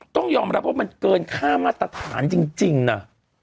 ต้องยอมรับว่ามันเกินค่ามาตรฐานจริงนะ